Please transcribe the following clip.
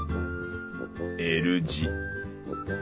Ｌ字。